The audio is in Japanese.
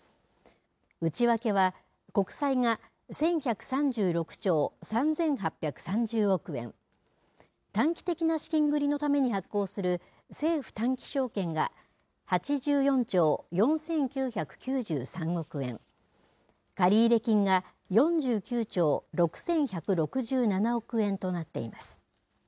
内訳は、国債が１１３６兆３８３０億円、短期的な資金繰りのために発行する政府短期証券が８４兆４９９３億円、借入金が４９兆６１６７億円となっています。